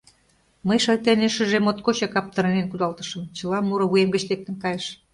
Мый, шайтанешыже, моткочак аптранен кудалтышым, чыла муро вуем гыч лектын кайыш.